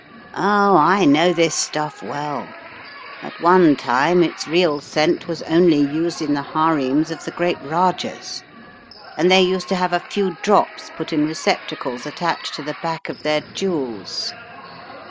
"Oh, I know this stuff well. At one time its 198 The Riddle of the Purple Emperor real scent was only used in the harems of the great Rajahs, and they used to have a few drops put in receptacles attached to the back of their jewels.